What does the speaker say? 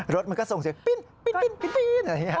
รถมันก็ส่งเสียงปิ้นอะไรอย่างนี้